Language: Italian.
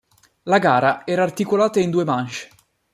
La gara era articolata in due manche.